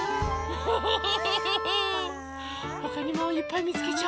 ほかにもいっぱいみつけちゃおう！